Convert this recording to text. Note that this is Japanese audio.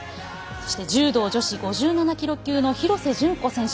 そして柔道女子５７キロ級の廣瀬順子選手